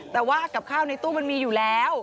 แต่ว่ากับข้าวในตู้มันมีอยู่แล้ว